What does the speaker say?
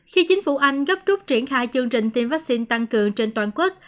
khi chính phủ anh gấp rút triển khai chương trình tiêm vaccine tăng cường trên toàn quốc